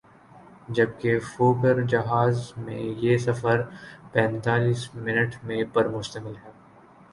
جبکہ فوکر جہاز میں یہ سفر پینتایس منٹ پر مشتمل ہے ۔